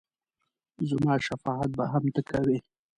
زما شفاعت به هم ته کوې !